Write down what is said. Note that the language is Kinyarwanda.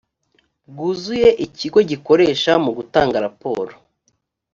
bwuzuye ikigo gikoresha mu gutanga raporo